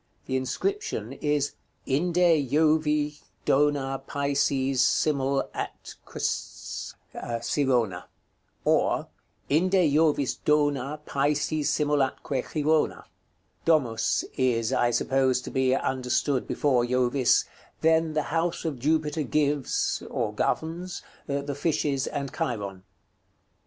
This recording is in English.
The inscription is: "INDE JOVI' DONA PISES SIMUL ATQ^s CIRONA." Or, "Inde Jovis dona Pisces simul atque Chirona." Domus is, I suppose, to be understood before Jovis: "Then the house of Jupiter gives (or governs?) the fishes and Chiron."